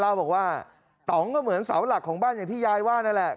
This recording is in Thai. เล่าบอกว่าต่องก็เหมือนเสาหลักของบ้านอย่างที่ยายว่านั่นแหละ